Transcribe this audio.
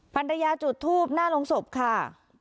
ภรรยาจุดทูบหน้าลงศพค่ะ